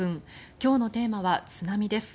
今日のテーマは津波です。